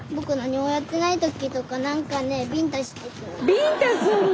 ビンタすんの？